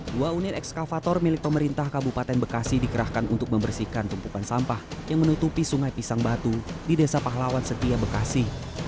dua unit ekskavator milik pemerintah kabupaten bekasi dikerahkan untuk membersihkan tumpukan sampah yang menutupi sungai pisang batu di desa pahlawan setia bekasi